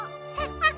あっ。